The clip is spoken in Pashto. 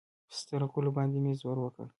سترغلو باندې مې زور وکړ.